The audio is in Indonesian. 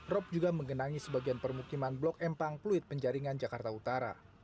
rop juga menggenangi sebagian permukiman blok empang fluid penjaringan jakarta utara